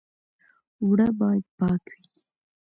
اوړه باید پاک وي